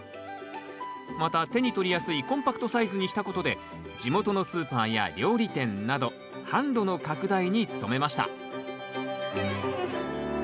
また手に取りやすいコンパクトサイズにしたことで地元のスーパーや料理店など販路の拡大に努めました